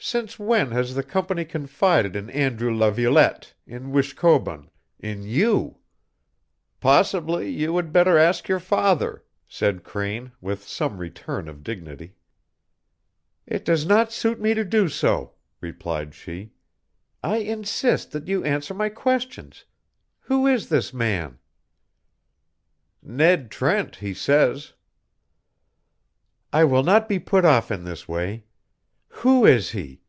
Since when has the Company confided in Andrew Laviolette, in Wishkobun, in you!" "Possibly you would better ask your father," said Crane, with some return of dignity. "It does not suit me to do so," replied she. "I insist that you answer my questions. Who is this man?" "Ned Trent, he says." "I will not be put off in this way. Who is he?